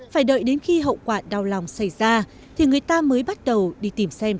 phải đợi đến khi hậu quả đau lòng xảy ra thì người ta mới bắt đầu đi tìm xem